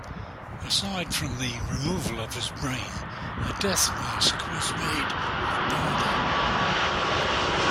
Aside from the removal of his brain, a death mask was made of Baader.